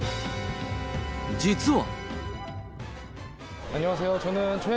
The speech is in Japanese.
実は。